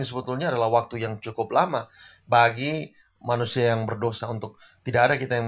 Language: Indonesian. itu yang ayura katakan